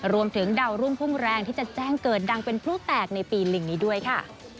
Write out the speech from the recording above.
รวมถึงดาวรุ่งพุ่งแรงที่จะแจ้งเกิดดังเป็นพลุแตกในปีลิงนี้ด้วยค่ะ